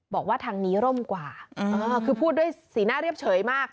บอกว่าทางนี้ร่มกว่าคือพูดด้วยสีหน้าเรียบเฉยมาก